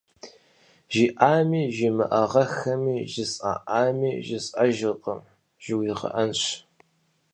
Жиӏами жимыӏагъэххэми, жысӏаӏами, жысӏэжыркъым жыуигъэӏэнщ.